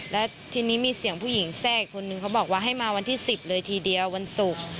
แล้วทีนี้มีเสียงผู้หญิงแทรกอีกคนนึงเขาบอกว่าให้มาวันที่๑๐เลยทีเดียววันศุกร์